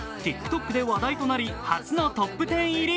ＴｉｋＴｏｋで話題となり発表のトップ１０入り。